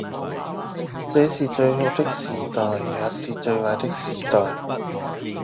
這是最好的時代，也是最壞的時代，